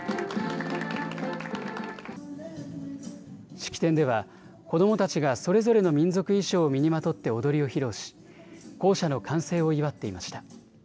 式典では子どもたちがそれぞれの民族衣装を身にまとって踊りを披露し校舎の完成を祝っていました。